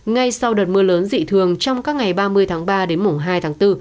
ngay sau đợt mưa lớn dị thường trong các ngày ba mươi tháng ba đến mùng hai tháng bốn